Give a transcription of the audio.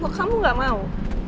kalau kamu nggak mau